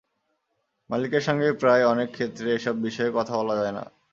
মালিকের সঙ্গে প্রায় অনেক ক্ষেত্রে এসব বিষয়ে কথা বলা যায় না।